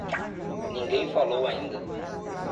Ninguém falou ainda.